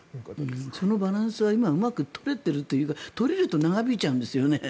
そのバランスは今、うまく取れているというか取れると長引いちゃうんですよね？